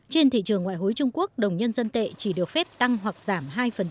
trên thị trường ngoại hối trung quốc đồng nhân dân tệ chỉ được phép tăng hoặc giảm hai